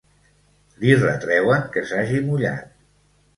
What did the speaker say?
Li retreuen que s’hagi mullat.